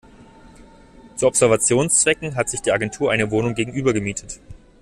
Zu Observationszwecken hat sich die Agentur eine Wohnung gegenüber gemietet.